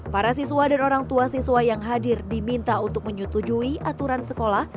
para siswa dan orang tua siswa yang hadir diminta untuk menyetujui aturan sekolah